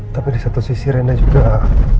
tapi di satu sisi rena juga